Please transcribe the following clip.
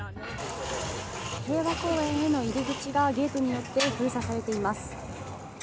平和公園への入り口がゲートによって封鎖されています。